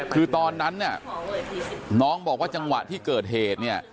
คือตอนนั้นเนี่ยน้องบอกว่าจังหวะที่เกิดเหตุเนี่ย